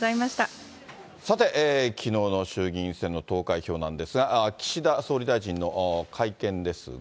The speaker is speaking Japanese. さて、きのうの衆議院選の投開票なんですが、岸田総理大臣の会見ですが。